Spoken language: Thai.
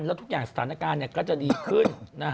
แล้วทุกอย่างสถานการณ์ก็จะดีขึ้น